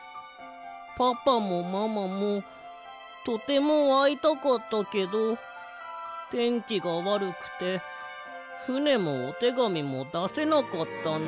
パパもママもとてもあいたかったけどてんきがわるくてふねもおてがみもだせなかったの。